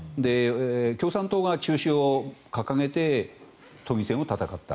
共産党が中止を掲げて都議選を戦った。